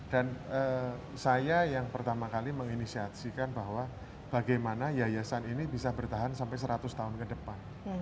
dan saya yang pertama kali menginisiasikan bahwa bagaimana yayasan ini bisa bertahan sampai seratus tahun ke depan